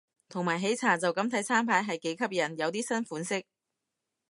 同埋喜茶就咁睇餐牌係幾吸引，有啲新款式